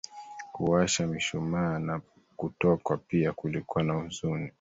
kuwasha mishumaa na kutokwa Pia kulikuwa na huzuni